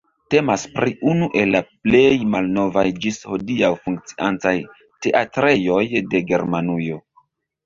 Temas pri unu el la plej malnovaj ĝis hodiaŭ funkciantaj teatrejoj de Germanujo.